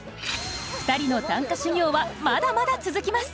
２人の短歌修行はまだまだ続きます。